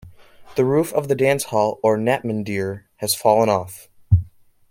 The roof of the dance hall or "natmandir" has fallen off.